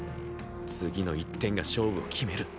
次の１点が勝負を決める